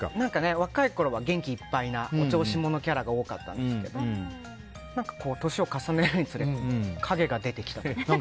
若いころは、元気いっぱいなお調子者キャラが多かったんですけど年を重ねるにつれ影が出てきたというか。